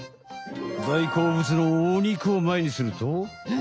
大好物のお肉をまえにすると。